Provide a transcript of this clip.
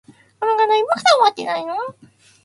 この課題まだ終わってないの？